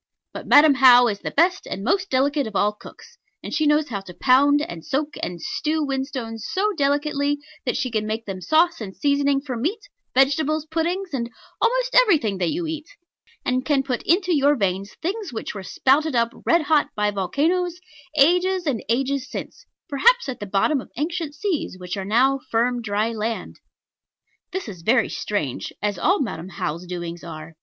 But Madam How is the best and most delicate of all cooks; and she knows how to pound, and soak, and stew whinstones so delicately, that she can make them sauce and seasoning for meat, vegetables, puddings, and almost everything that you eat; and can put into your veins things which were spouted up red hot by volcanos, ages and ages since, perhaps at the bottom of ancient seas which are now firm dry land. This is very strange as all Madam How's doings are.